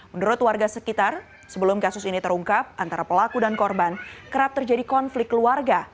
menurut warga sekitar sebelum kasus ini terungkap antara pelaku dan korban kerap terjadi konflik keluarga